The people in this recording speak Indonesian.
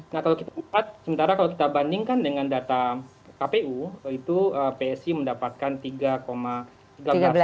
nah kalau kita lihat sementara kalau kita bandingkan dengan data kpu itu psi mendapatkan tiga tiga belas persen